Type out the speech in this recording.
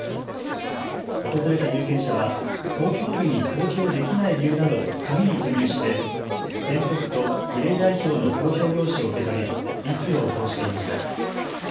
訪れた有権者は投票日に投票できない理由などを紙に記入して選挙区と比例代表の投票用紙を受け取り、１票を投じていました。